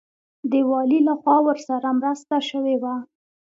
د والي لخوا ورسره مرسته شوې وه.